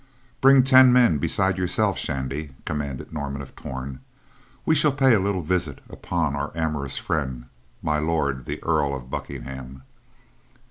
"Bring ten men, beside yourself, Shandy," commanded Norman of Torn. "We shall pay a little visit upon our amorous friend, My Lord, the Earl of Buckingham."